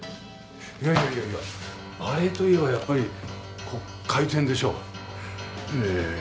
いやいやいやいやバレエといえばやっぱり回転でしょ。